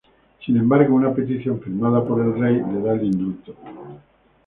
Sin embargo, una petición firmada por el Rey, le da el indulto.